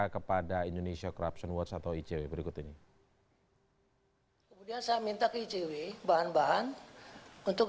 kepada indonesia corruption watch atau icw berikut ini kemudian saya minta ke icw bahan bahan untuk